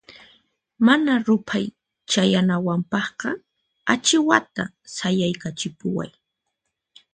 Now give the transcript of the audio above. Mana ruphay chayanawanpaqqa achiwata sayaykachipuway.